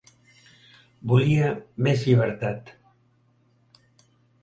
Volia més llibertat.